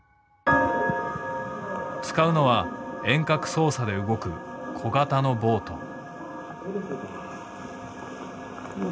使うのは遠隔操作で動く小型のボート。